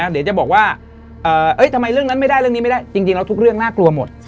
เดี๋ยวจะบอกว่าทำไมเรื่องนั้นไม่ได้เรื่องนี้ไม่ได้จริงแล้วทุกเรื่องน่ากลัวหมด